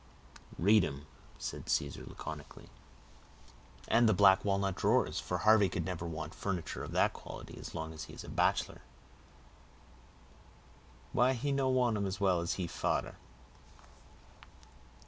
"Read 'em," said Caesar, laconically. "And the black walnut drawers; for Harvey could never want furniture of that quality, as long as he is a bachelor!" "Why he no want 'em as well as he fader?"